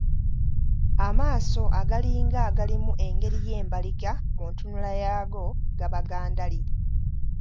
Amaaso agalinga agalimu engeri y’embaliga mu ntunula yaago gaba ga ndali.